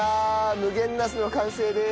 無限ナスの完成です。